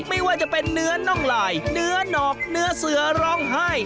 ไม่ว่าจะเป็นเนื้อน่องลายเนื้อหนอกเนื้อเสือร้องไห้